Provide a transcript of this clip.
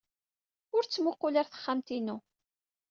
Ur ttmuqqul ɣer texxamt-inu.